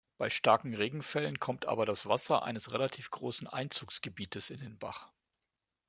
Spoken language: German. Bei starken Regenfällen kommt aber das Wasser eines relativ grossen Einzugsgebietes in den Bach.